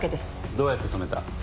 どうやって止めた？